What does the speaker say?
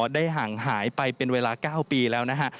ห่างหายไปเป็นเวลา๙ปีแล้วนะฮะ